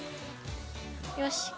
よし。